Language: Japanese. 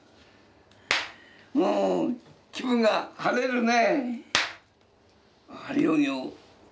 うん気分が晴れるね。